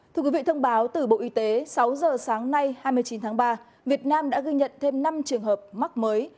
thưa quý vị thông báo từ bộ y tế sáu giờ sáng nay hai mươi chín tháng ba việt nam đã ghi nhận thêm năm trường hợp mắc mới